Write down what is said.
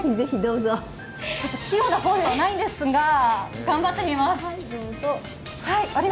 器用な方ではないんですが頑張ってみます。